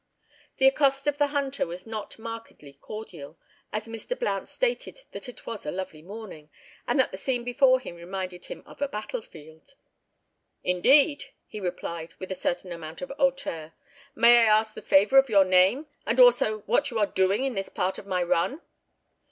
The accost of the hunter was not markedly cordial as Mr. Blount stated that it was a lovely morning, and that the scene before him reminded him of a battlefield. "Indeed!" he replied, with a certain amount of hauteur. "May I ask the favour of your name? and also what you are doing on this part of my run?"